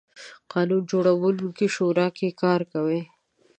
قانون جوړوونکې شورا کې کار کوي.